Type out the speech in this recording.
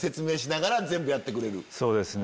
そうですね。